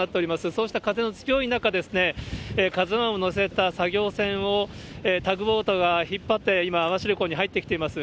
そうした風の強い中、ＫＡＺＵＩを載せた作業船をタグボートが引っ張って今、網走港に入ってきています。